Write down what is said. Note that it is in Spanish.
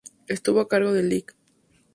Estuvo a cargo del Lic.